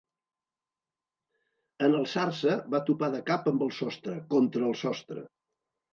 En alçar-se va topar de cap amb el sostre, contra el sostre.